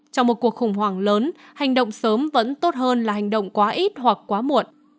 trong một cuộc khủng hoảng lớn hành động sớm vẫn tốt hơn là hành động quá ít hoặc quá muộn